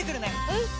うん！